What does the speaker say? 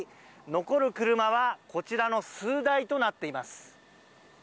残る車はこちらの数台となっています。